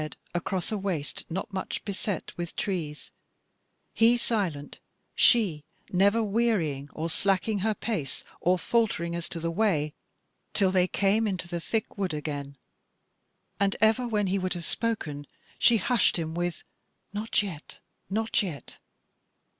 So they sped across a waste not much beset with trees, he silent, she never wearying or slacking her pace or faltering as to the way, till they came into the thick wood again, and ever when he would have spoken she hushed him, with "Not yet! Not yet!"